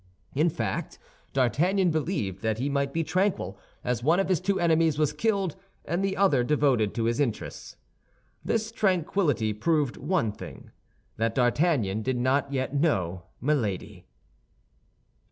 In fact, D'Artagnan believed that he might be tranquil, as one of his two enemies was killed and the other devoted to his interests. This tranquillity proved one thing—that D'Artagnan did not yet know Milady.